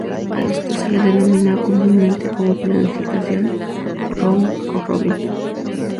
A esto se le denomina comúnmente como Planificación Round-Robin.